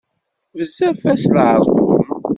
Bezzaf-as leṛqum.